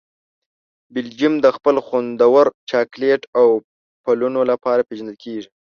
بلجیم د خپل خوندور چاکلېټ او وفلونو لپاره پېژندل کیږي.